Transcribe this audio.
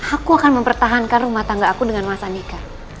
aku akan mempertahankan rumah tangga aku dengan mas andika